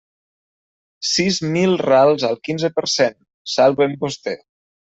Sis mil rals al quinze per cent; salve'm vostè.